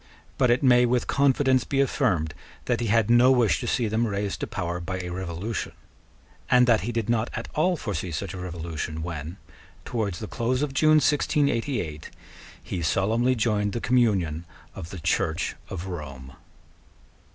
But it may with confidence be affirmed that he had no wish to see them raised to power by a revolution, and that he did not at all foresee such a revolution when, towards the close of June 1688, he solemnly joined the communion of the Church of Rome.